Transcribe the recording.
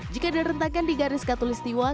jika direntakan di garis katulistiwa